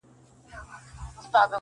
که هر څو نجوني ږغېږي چي لونګ یم.